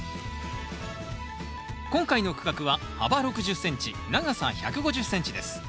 今回の区画は幅６０ｃｍ長さ１５０ｃｍです。